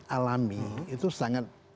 alami itu sangat